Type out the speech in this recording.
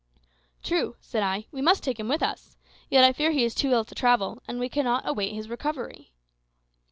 "True," said I; "we must take him with us. Yet I fear he is too ill to travel, and we cannot await his recovery."